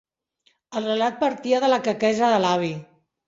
El relat partia de la quequesa de l'avi.